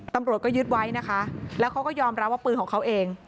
ตำรวจก็ยึดไว้นะคะแล้วเขาก็ยอมรับว่าปืนของเขาเอง